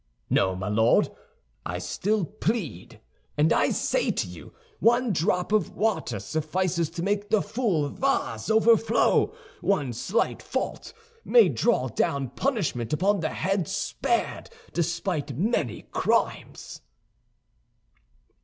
"No, my Lord, I still plead. And I say to you: one drop of water suffices to make the full vase overflow; one slight fault may draw down punishment upon the head spared, despite many crimes."